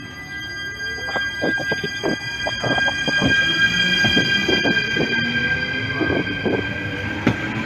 校长开济携学校田洲产物契券赴后方后不知所踪。